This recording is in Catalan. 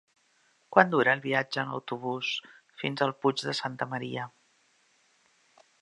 Quant dura el viatge en autobús fins al Puig de Santa Maria?